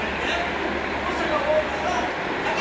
希望者が多い場合はじゃんけんするぞ。